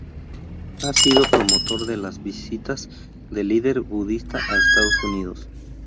Ha sido promotor de las visitas del líder budista a Estados Unidos.